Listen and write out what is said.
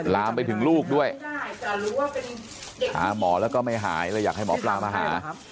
ลามไปถึงลูกด้วยหาหมอแล้วก็ไม่หายเลยอยากให้หมอปลามาหา